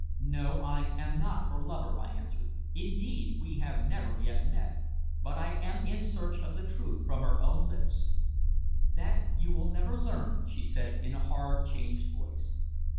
"No, I am not her lover," I answered. "Indeed, we have never yet met. But I am in search of the truth from her own lips." "That you will never learn," she said, in a hard, changed voice.